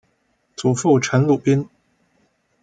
祖父陈鲁宾。